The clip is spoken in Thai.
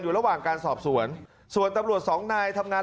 ระหว่างการสอบสวนส่วนตำรวจสองนายทำงาน